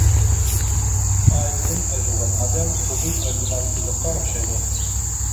ئائىلىدىن ئايرىلغان ئادەم سۇدىن ئايرىلغان بېلىققا ئوخشايدۇ.